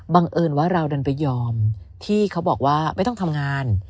เอิญว่าเราดันไปยอมที่เขาบอกว่าไม่ต้องทำงาน